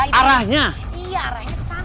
iya arahnya kesana